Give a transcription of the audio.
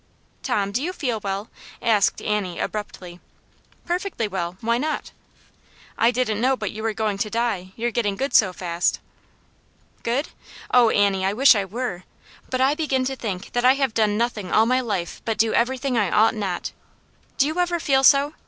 Tom, do you feel well ?" asked Annie, abruptly. " Perfectly well ; why not ?"" I didn't know but you were going to die, you're getting good so fast." Good ? Oh, Annie, I wish I were I But I begin to think that I have done nothing all my life but do everything I ought not. Did you ever feel so